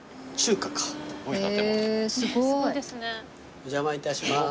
お邪魔いたします。